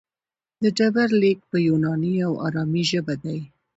دا ډبرلیک په یوناني او ارامي ژبه دی